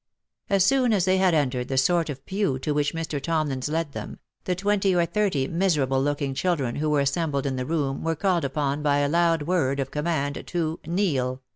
As soon as they had entered the sort of pew to which Mr. Tomlins led them, the twenty or thirty miserable looking children who were assembled in the room were called upon by a loud word of command to " Kneel!"